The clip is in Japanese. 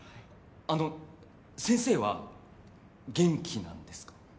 あの先生は元気なんですか？